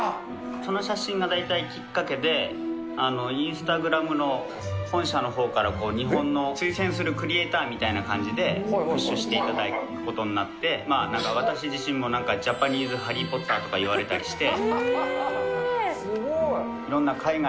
その写真が大体きっかけで、インスタグラムの本社のほうから、日本の推薦するクリエーターみたいな感じで、プッシュしていただくことになって、私自身も、なんか、ジャパニーズハリー・ポッターとか言われたりして。